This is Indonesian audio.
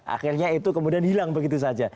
akhirnya itu kemudian hilang begitu saja